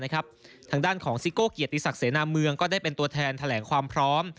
ทางด้านของซิโก้เกียรติศักดิเสนาเมืองก็ได้เป็นตัวแทนแถลงความพร้อม